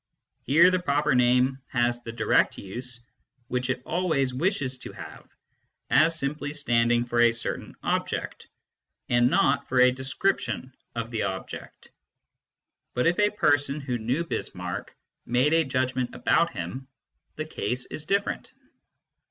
Here the proper name has the direct use which it always wishes to have, as simply standing for a certain object, and not for a description of the object. But if a person who knew Bismarck made a judgment about him, the case is different.